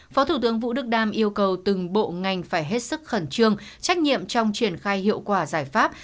phó thủ tướng vũ đức đam yêu cầu từng bộ ngành phải hết sức khẩn trương trách nhiệm trong triển khai hiệu quả giải pháp